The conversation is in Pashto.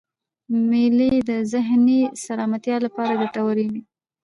مېلې د ذهني سلامتۍ له پاره ګټوري يي.